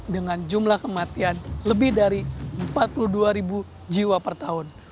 dengan jumlah kematian lebih dari empat puluh dua jiwa per tahun